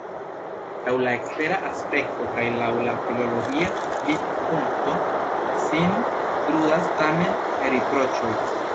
Laŭ la ekstera aspekto kaj laŭ la filologia vidpunkto sin trudas tamen riproĉoj.